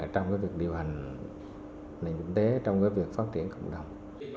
trong cái việc điều hành nền kinh tế trong cái việc phát triển cộng đồng